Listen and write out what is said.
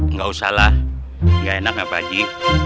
nggak usahlah nggak enak ya pak ji